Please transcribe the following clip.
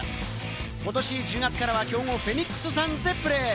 ことし１０月からは強豪フェニックス・サンズでプレー。